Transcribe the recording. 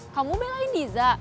kamu belain diza